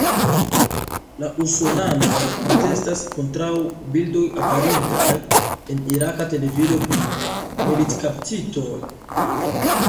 La usonanoj protestas kontraŭ bildoj aperintaj en iraka televido pri militkaptitoj.